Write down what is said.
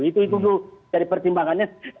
itu dulu dari pertimbangannya